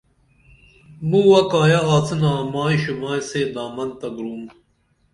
مُوہ کایہ آڅِنا مائی شوبائی سے دامن تہ گُرُم